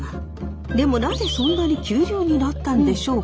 でもなぜそんなに急流になったんでしょうか？